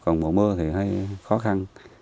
còn mùa mưa thì khó khăn